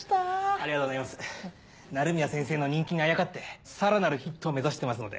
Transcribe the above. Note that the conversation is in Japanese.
ありがとうございます鳴宮先生の人気にあやかってさらなるヒットを目指してますので。